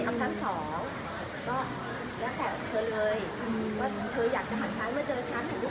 แบบไปเที่ยวกัน